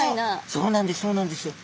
そうなんですそうなんですよ。